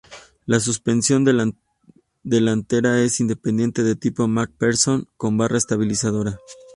La suspensión delantera es independiente de tipo MacPherson con barra estabilizadora.